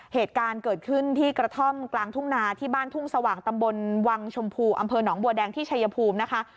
เหตุการณ์เกิดขึ้นที่กระท่อมกลางทุ่งนาที่บ้านทุ่งสว่างตำบลวังชมพูอำเภอหนองบัวแดงที่ชายภูมินะคะ